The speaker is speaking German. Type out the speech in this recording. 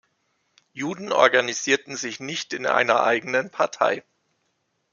Juden organisierten sich nicht in einer eigenen Partei.